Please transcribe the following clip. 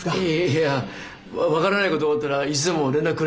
いや分からないことがあったらいつでも連絡くれ。